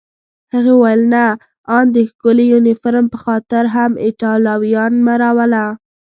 هغې وویل: نه، آن د ښکلي یونیفورم په خاطر هم ایټالویان مه راوله.